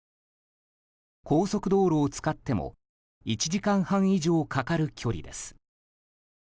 高速道路を使っても１時間半以上かかる距離です。